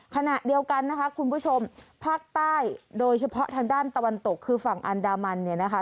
ขณะเดียวกันนะคะคุณผู้ชมภาคใต้โดยเฉพาะทางด้านตะวันตกคือฝั่งอันดามันเนี่ยนะคะ